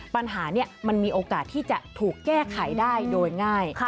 ปัญหานี้มันมีโอกาสที่จะถูกแก้ไขได้โดยง่าย